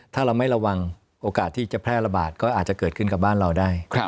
ถ้าเราไม่ระวังโอกาสที่จะแพร่ระบาดก็อาจจะเกิดขึ้นกับบ้านเราได้